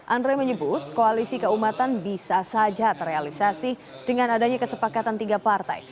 andre menyebut koalisi keumatan bisa saja terrealisasi dengan adanya kesepakatan tiga partai